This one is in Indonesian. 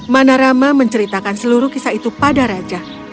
manarama menceritakan seluruh kisah itu pada raja